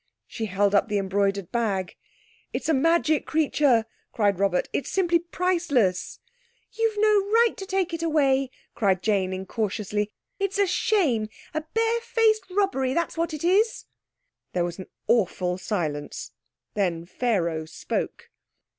She held up the embroidered bag. "It's a magic creature," cried Robert; "it's simply priceless!" "You've no right to take it away," cried Jane incautiously. "It's a shame, a barefaced robbery, that's what it is!" There was an awful silence. Then Pharaoh spoke.